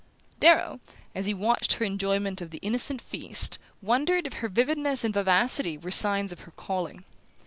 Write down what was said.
Darrow, as he watched her enjoyment of their innocent feast, wondered if her vividness and vivacity were signs of her calling.